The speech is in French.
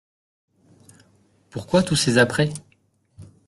Pourquoi tous ces apprêts ?